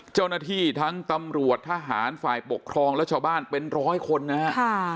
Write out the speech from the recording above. เจ้าหน้าที่ทั้งตำรวจทหารฝ่ายปกครองและชาวบ้านเป็นร้อยคนนะฮะ